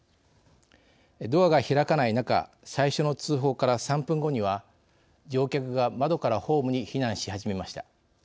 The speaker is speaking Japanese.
ドアが開かない中最初の通報から３分後には乗客が窓からホームに避難し始めました。